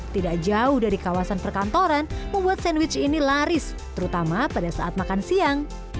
tidak jauh dari kawasan perkantoran membuat sandwich ini laris terutama pada saat makan siang